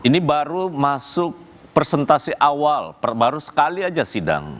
ini baru masuk presentasi awal baru sekali aja sidang